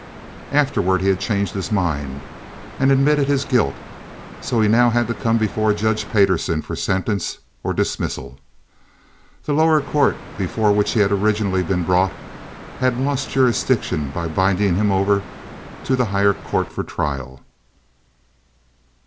Afterward he had changed his mind and admitted his guilt, so he now had to come before Judge Payderson for sentence or dismissal. The lower court before which he had originally been brought had lost jurisdiction by binding him over to to higher court for trial.